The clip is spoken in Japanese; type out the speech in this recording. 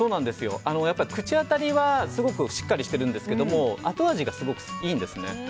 口当たりはすごくしっかりしてるんですけど後味がすごくいいんですね。